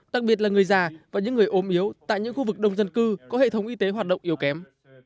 đặc biệt là người già và những người ốm yếu tại những khu vực đông dân cư có hệ thống y tế hoạt động yếu kém